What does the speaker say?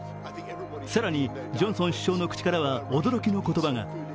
更に、ジョンソン首相の口からは驚きの言葉が。